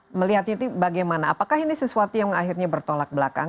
anda melihatnya itu bagaimana apakah ini sesuatu yang akhirnya bertolak belakang